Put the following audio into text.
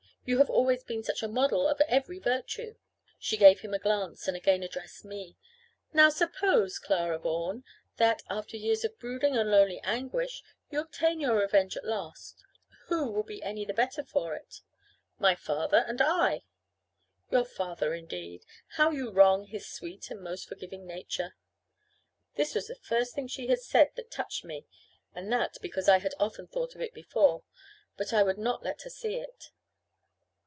You have always been such a model of every virtue." She gave him a glance, and again addressed me. "Now suppose, Clara Vaughan, that, after years of brooding and lonely anguish, you obtain your revenge at last, who will be any the better for it?" "My father and I." "Your father indeed! How you wrong his sweet and most forgiving nature!" This was the first thing she had said that touched me; and that because I had often thought of it before. But I would not let her see it.